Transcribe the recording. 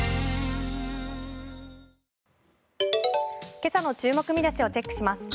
今朝の注目見出しをチェックします。